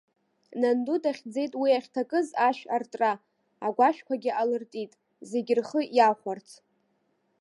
Нанду дахьӡеит уи ахьҭакыз ашә артра, агәашәқәагьы алыртит, зегьы рхы иахәарц.